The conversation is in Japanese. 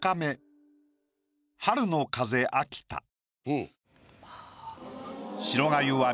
うん。